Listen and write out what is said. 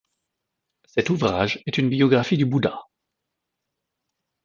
Cet ouvrage est une biographie du Bouddha.